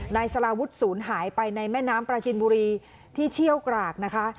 นายสาราวุฒิศูนย์หายไปในแม่น้ำประชินบุรีที่เชี่ยวกรากนะคะ